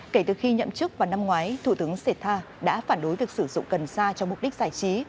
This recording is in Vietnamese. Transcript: kể từ khi nhậm chức vào năm ngoái thủ tướng sethar đã phản đối việc sử dụng cần sa cho mục đích giải trí